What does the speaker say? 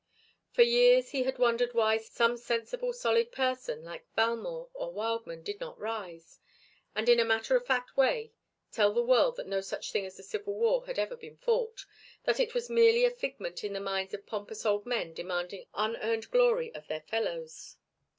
For years he had wondered why some sensible solid person like Valmore or Wildman did not rise, and in a matter of fact way tell the world that no such thing as the Civil War had ever been fought, that it was merely a figment in the minds of pompous old men demanding unearned glory of their fellows.